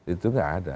itu tidak ada